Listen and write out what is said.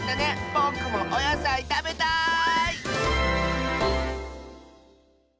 ぼくもおやさいたべたい！